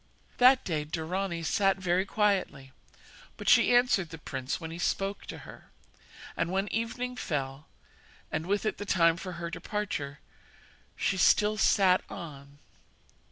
That day Dorani sat very quietly, but she answered the prince when he spoke to her; and when evening fell, and with it the time for her departure, she still sat on.